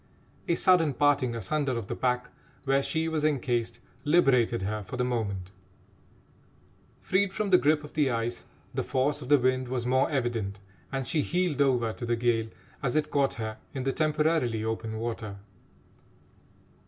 A sudden parting asunder of the pack where she was encased liberated her for the moment. Freed from the grip of the ice, the force of the wind was more evident, and she heeled over to the gale as it caught her in the temporarily open water.